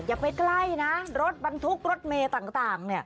อย่าไปใกล้นะรถบรรทุกรถเมย์ต่าง